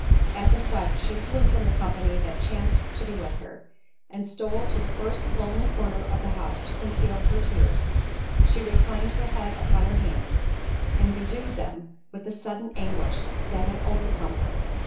At the sight, she flew from the company that chanced to be with her, and stole to the first lonely corner of the house to conceal her tears—she reclined her head upon her hands, and bedewed them with the sudden anguish, that had overcome her.